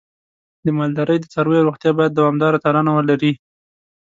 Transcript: د مالدارۍ د څارویو روغتیا باید دوامداره څارنه ولري.